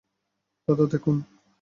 দাদা, দেখুন।